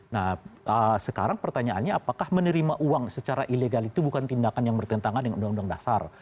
nah sekarang pertanyaannya apakah menerima uang secara ilegal itu bukan tindakan yang bertentangan dengan undang undang dasar